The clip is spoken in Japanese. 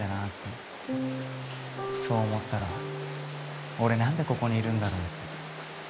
そう思ったら俺何でここにいるんだろうって。